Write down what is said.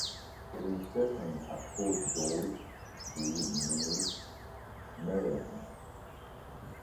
It is stationed at Fort George G. Meade, Maryland.